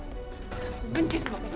aku benci pak